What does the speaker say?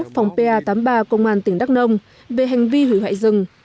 phòng pa tám mươi ba công an tỉnh đắk nông về hành vi hủy hoại rừng